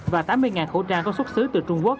và tám mươi khẩu trang có xuất xứ từ trung quốc